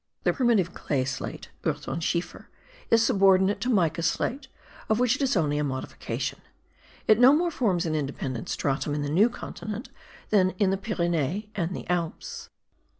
The primitive clay slate (urthonschiefer) is subordinate to mica slate, of which it is only a modification. It no more forms an independent stratum in the New Continent, than in the Pyrenees and the Alps.